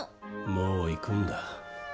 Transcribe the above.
もう行くんだ。